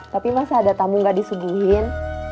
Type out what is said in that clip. tapi masih ada tamu ga disuguhin